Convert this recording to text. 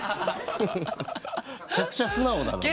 めちゃくちゃ素直だなもう。